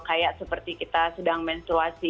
kayak seperti kita sedang menstruasi